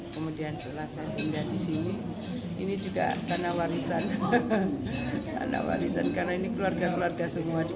kemudian telah saya pindah disini ini juga karena warisan karena ini keluarga keluarga semua di